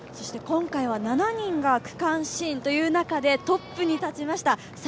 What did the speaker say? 今回は７人が区間新という中でトップに立ちました。